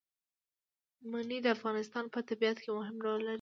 منی د افغانستان په طبیعت کې مهم رول لري.